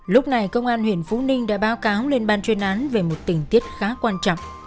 lúc này công an huyện phú ninh đã báo cáo lên ban chuyên án về một tình tiết khá quan trọng